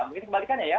mungkin kebalikannya ya